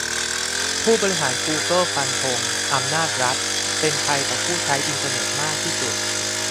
ผู้บริหารกูเกิลฟันธง "อำนาจรัฐ" เป็นภัยต่อผู้ใช้อินเตอร์เน็ตมากที่สุด